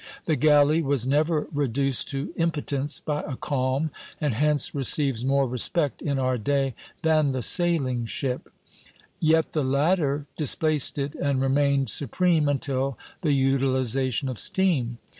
The galley was never reduced to impotence by a calm, and hence receives more respect in our day than the sailing ship; yet the latter displaced it and remained supreme until the utilization of steam.